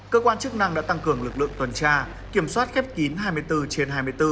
cơ quan chức năng đã tăng cường lực lượng tuần tra kiểm soát khép kín hai mươi bốn trên hai mươi bốn